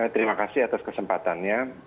terima kasih atas kesempatannya